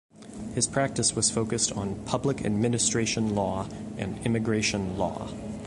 His practice was focused on Public Administration Law and Immigration Law.